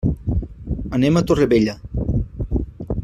Anem a Torrevella.